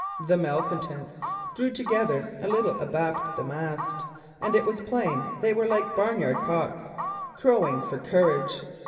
The malcontents drew together a little abaft the mast, and it was plain they were like barnyard cocks, "crowing for courage."